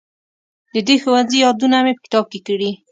د دې ښوونځي یادونه مې په کتاب کې کړې.